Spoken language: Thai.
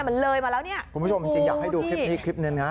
มันเลยมาแล้วเนี่ยคุณผู้ชมจริงจริงอยากให้ดูคลิปนี้คลิปนี้นะ